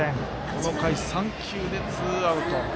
この回、３球でツーアウト。